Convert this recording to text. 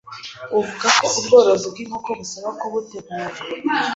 avuga ko ubworozi bw’inkoko busaba kubutegura